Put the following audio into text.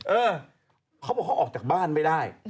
เออเขาบอกเขาออกจากบ้านไม่ได้